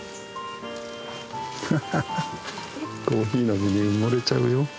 ハハハコーヒーの実に埋もれちゃうよ。